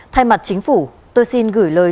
thay mặt chính phủ tôi xin gửi lời